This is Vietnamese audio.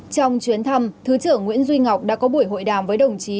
trong chuyến thăm thứ trưởng nguyễn duy ngọc đã có buổi hội đàm với đồng chí